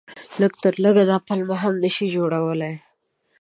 لږ تر لږه دا پلمه هم نه شي جوړېدلای.